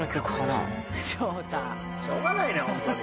しょうがないねほんとに。